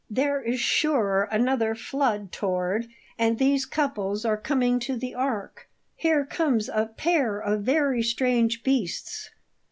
"There is, sure, another flood toward, and these couples are coming to the ark! Here comes a pair of very strange beasts!"